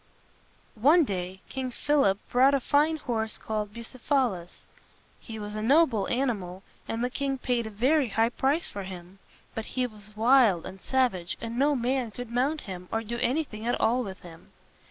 One day King Philip bought a fine horse called Bu ceph´a lus. He was a noble an i mal, and the king paid a very high price for him. But he was wild and savage, and no man could mount him, or do anything at all with him.